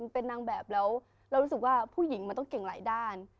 เป็นนางแบบแล้วเรารู้สึกว่าผู้หญิงมันต้องเก่งหลายด้าน